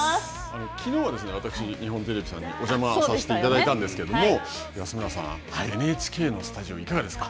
きのうは、私、日本テレビさんにお邪魔させていただいたんですけれども、安村さん、ＮＨＫのスタジオ、いかがですか。